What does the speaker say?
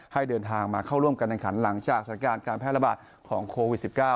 ให้เดินทางมาเข้าร่วมการแข่งขันหลังจากสถานการณ์การแพร่ระบาดของโควิด๑๙